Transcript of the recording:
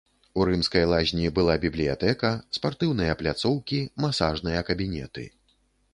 У рымскай лазні была бібліятэка, спартыўныя пляцоўкі, масажныя кабінеты.